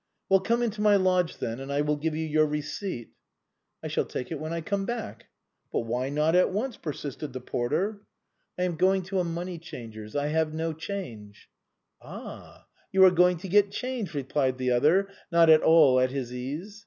" Well, come into my lodge, then, and I will give you your receipt." " I shall take it when I come back." " But why not at once ?" persisted the porter. " I am going to a money changer's. I have no change." " Ah, you are going to get change !" replied the other, not at all at his ease.